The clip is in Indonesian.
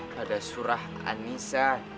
pada surah an nisa